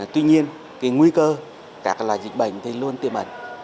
tuy nhiên cái nguy cơ các loại dịch bệnh thì luôn tiềm ẩn